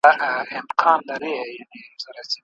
پر لکړه رېږدېدلی